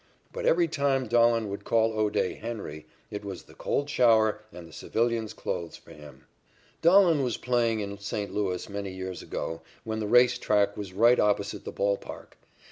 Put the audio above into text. But every time Dahlen would call O'Day "Henry" it was the cold shower and the civilian's clothes for his. Dahlen was playing in St. Louis many years ago when the race track was right opposite the ball park.